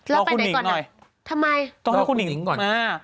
เราไปไหนก่อนนะทำไมมาคุณหญิงแน่